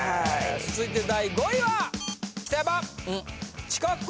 続いて第５位は？